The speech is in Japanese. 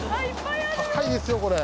高いですよ、これ。